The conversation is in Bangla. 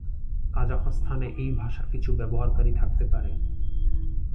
কাজাখস্তানে এই ভাষার কিছু ব্যবহারকারী থাকতে পারে।